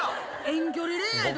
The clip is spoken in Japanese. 遠距離恋愛？